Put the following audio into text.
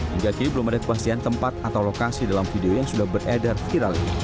hingga kini belum ada kepastian tempat atau lokasi dalam video yang sudah beredar viral ini